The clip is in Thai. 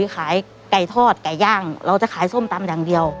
ขายไก่ทอดไก่ย่างเราจะขายส้มตำอย่างเดียว